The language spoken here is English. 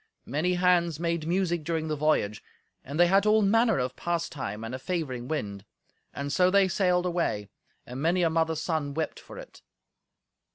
Many hands made music during the voyage, and they had all manner of pastime, and a favouring wind. And so they sailed away; and many a mother's son wept for it.